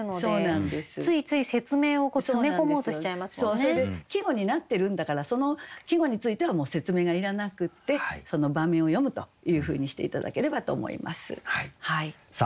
それで季語になってるんだからその季語についてはもう説明がいらなくってその場面を詠むというふうにして頂ければと思います。